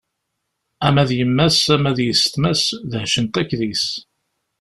Ama d yemma-s, ama d yessetma-s, dehcent akk deg-s.